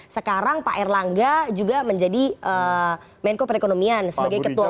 sekarang pak erlangga juga menjadi menko perekonomian sebagai ketua